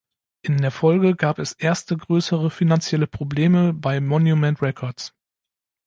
In der Folge gab es erste größere finanzielle Probleme bei "Monument Records".